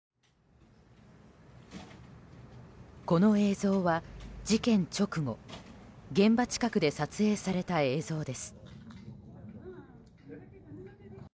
この映像は事件直後現場近くで撮影された映像です。